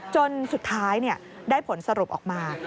จนสุดท้ายได้ผลสรุปออกมา